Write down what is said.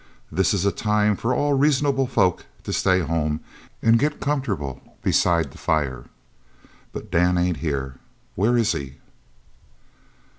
This is a time for all reasonable folk to stay home an' git comfortable beside the fire. But Dan ain't here. Where is he?"